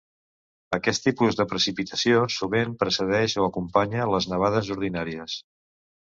Aquest tipus de precipitació sovint precedeix o acompanya les nevades ordinàries.